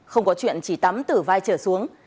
không có chuyện chỉ tắm từ vai trở xuống